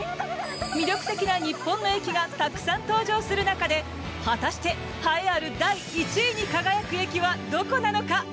魅力的な日本の駅がたくさん登場する中で果たして、栄えある第１位に輝く駅はどこなのか？